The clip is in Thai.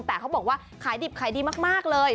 แต่เขาบอกว่าขายดิบขายดีมากเลย